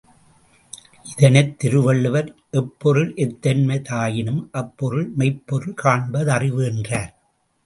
இதனைத் திருவள்ளுவர் எப்பொருள் எத்தன்மைத் தாயினும் அப்பொருள் மெய்ப்பொருள் காண்ப தறிவு என்றார்.